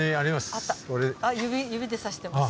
あっ指指でさしてます。